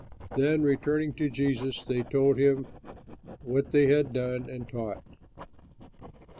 Then returning to Jesus they told him what they had done and taught.